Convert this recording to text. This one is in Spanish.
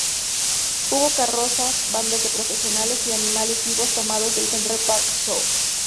Hubo carrozas, bandas de profesionales y animales vivos tomados del Central Park Zoo.